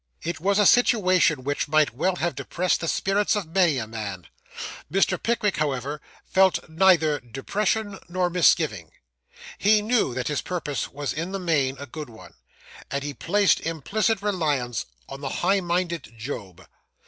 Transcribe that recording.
It was a situation which might well have depressed the spirits of many a man. Mr. Pickwick, however, felt neither depression nor misgiving. He knew that his purpose was in the main a good one, and he placed implicit reliance on the high minded Job.